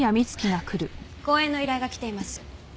講演の依頼が来ています。